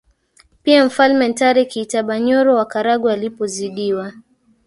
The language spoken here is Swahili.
Pia mfalme ntare kiitabanyoro wa karagwe alipo zidiwa